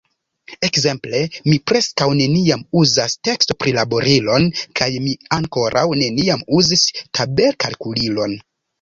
Ekzemple, mi preskaŭ neniam uzas tekstoprilaborilon, kaj mi ankoraŭ neniam uzis tabelkalkulilon.